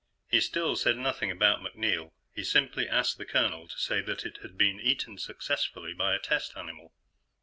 He still said nothing about MacNeil; he simply asked the colonel to say that it had been eaten successfully by a test animal.